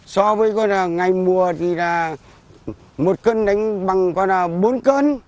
so với ngày mùa thì là một cân đánh bằng bốn cân